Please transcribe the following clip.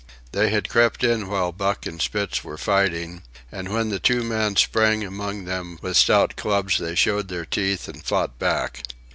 They had crept in while Buck and Spitz were fighting, and when the two men sprang among them with stout clubs they showed their teeth and fought back.